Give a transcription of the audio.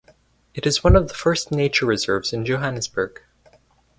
It is one of the first nature reserves in Johannesburg.